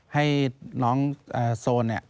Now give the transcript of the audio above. ให้น้องโซน